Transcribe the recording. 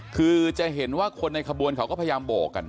คือจะเห็นว่าคนในขบวนเขาก็พยายามโบกกัน